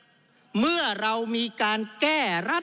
จึงฝากกลับเรียนเมื่อเรามีการแก้รัฐพาหารกันอีก